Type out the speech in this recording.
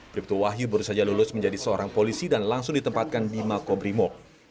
bribtu wahyu baru saja lulus menjadi seorang polisi dan langsung ditempatkan di makobrimob